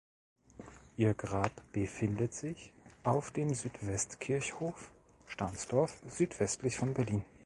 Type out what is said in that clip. Ihr Grab befindet sich auf dem Südwestkirchhof Stahnsdorf, südwestlich von Berlin.